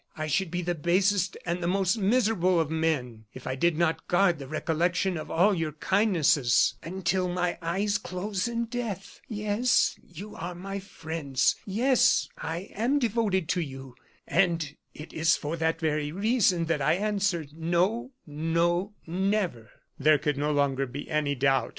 I should be the basest and the most miserable of men if I did not guard the recollection of all your kindnesses until my eyes close in death. Yes, you are my friends; yes, I am devoted to you and it is for that very reason that I answer: no, no, never!" There could no longer be any doubt.